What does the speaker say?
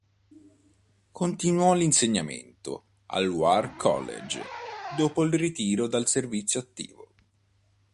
Continuò l'insegnamento al War College dopo il ritiro dal servizio attivo.